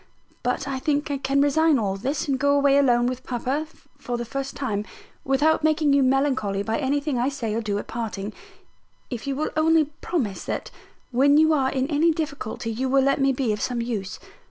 But I think I can resign all this, and go away alone with papa, for the first time, without making you melancholy by anything I say or do at parting, if you will only promise that when you are in any difficulty you will let me be of some use.